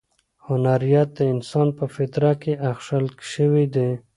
هنریت د انسان په فطرت کې اخښل شوی دی.